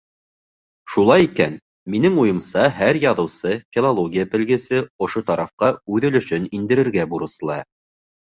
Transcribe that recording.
Шулай икән, минең уйымса, һәр яҙыусы, филология белгесе ошо тарафҡа үҙ өлөшөн индерергә бурыслы.